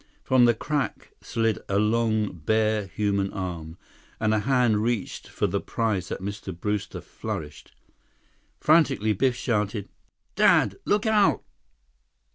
From the crack slid a long, bare human arm, and a hand reached for the prize that Mr. Brewster flourished. Frantically, Biff shouted: "Dad! Look out!"